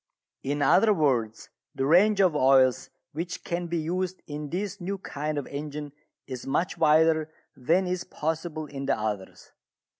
In other words, the range of oils which can be used in this new kind of engine is much wider than is possible in the others.